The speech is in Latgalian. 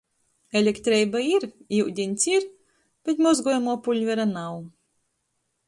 Elektreiba ir, iudiņs ir, bet mozgojamuo puļvera nav.